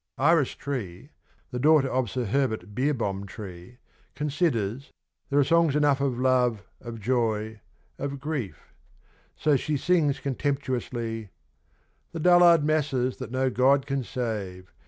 Iris Tree (the daughter of Sir Herbert Beerhohm Tree) considers ' there are songs enough of love, of joy, of grief,' so she sings contemptuously : The dullard masses that no God can save